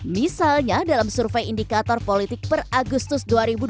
misalnya dalam survei indikator politik per agustus dua ribu dua puluh